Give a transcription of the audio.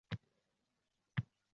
qayerda edingiz?